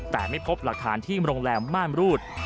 แต่ไม่พบหลักฐานที่โรงแรมม่านรูด